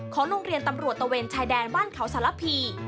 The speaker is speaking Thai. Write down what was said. โรงเรียนตำรวจตะเวนชายแดนบ้านเขาสารพี